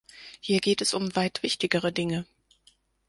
Hier geht es um weit wichtigere Dinge.